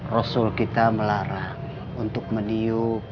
rasul kita melarang untuk meniup